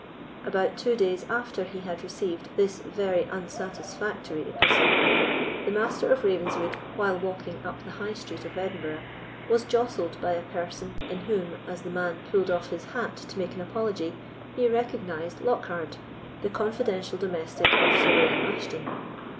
About two days after he had received this very unsatisfactory epistle, the Master of Ravenswood, while walking up the High Street of Edinburgh, was jostled by a person, in whom, as the man pulled off his hat to make an apology, he recognized Lockhard, the confidential domestic of Sir William Ashton.